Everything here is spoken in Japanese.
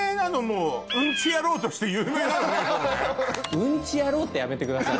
うんち野郎ってやめてください。